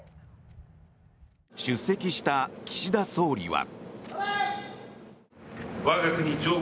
出席した岸田総理は。